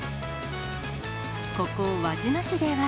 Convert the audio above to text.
ここ、輪島市では。